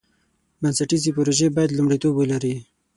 بنسټیزې پروژې باید لومړیتوب ولري.